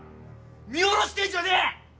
見下ろしてんじゃねえ！